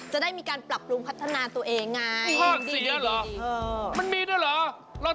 จะได้มีการปรับปรุงพัฒนาตัวเองไง